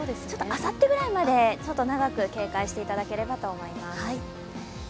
あさってぐらいまで長く警戒していただければと思います。